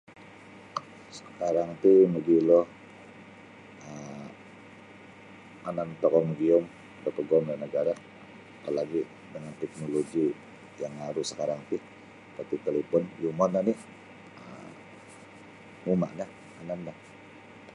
Sakarang ti magilo um yanan tokou magium paguam da nagara apa lagi dengan teknologi yang aru sakarang seperti talipun yumon oni um miuma la yanan do.